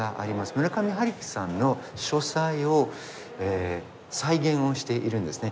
村上春樹さんの書斎を再現をしているんですね